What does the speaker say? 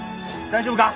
大丈夫か？